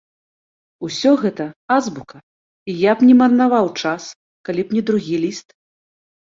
Усё гэта азбука, і я б не марнаваў час, калі б не другі ліст.